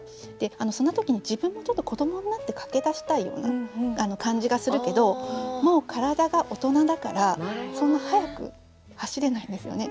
そんな時に自分もちょっと子どもになって駆けだしたいような感じがするけどもう体が大人だからそんな速く走れないんですよね。